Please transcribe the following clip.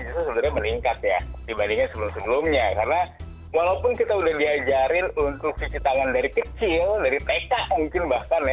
justru sebenarnya meningkat ya dibandingkan sebelum sebelumnya karena walaupun kita udah diajarin untuk cuci tangan dari kecil dari tk mungkin bahkan ya